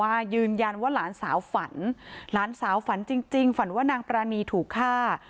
ยืนยันว่าหลานสาวฝันหลานสาวฝันจริงฝันว่านางปรานีถูกฆ่า